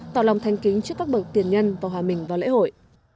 tạo lòng thanh kính trước các bậc tiền nhân và hòa mình vào lễ hội